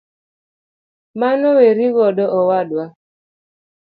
Mano weri godo owadwa.